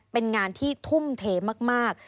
เป็นงานที่ทุ่มเทมาก